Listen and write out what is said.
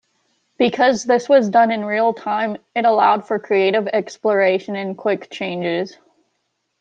Because this was done in real-time, it allowed for creative exploration and quick changes.